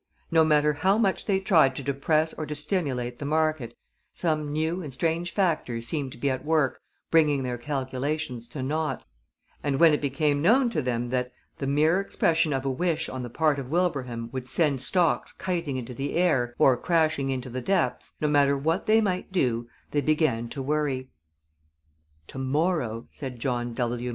No matter how much they tried to depress or to stimulate the market, some new and strange factor seemed to be at work bringing their calculations to naught, and when it became known to them that the mere expression of a wish on the part of Wilbraham would send stocks kiting into the air or crashing into the depths, no matter what they might do, they began to worry. "To morrow," said John W.